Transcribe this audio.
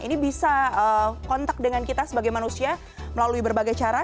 ini bisa kontak dengan kita sebagai manusia melalui berbagai cara